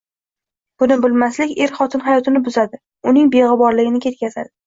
Buni bilmaslik er-xotin hayotini buzadi, uning beg‘uborligini ketkazadi.